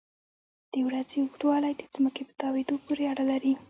د ورځې اوږدوالی د ځمکې په تاوېدو پورې اړه لري.